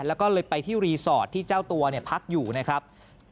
แล้วก็เลยไปที่รีสอร์ทที่เจ้าตัวพักอยู่นะครับ